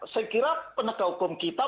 sekiranya penegak hukum kita